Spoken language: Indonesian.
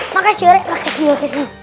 makasih urek makasih makasih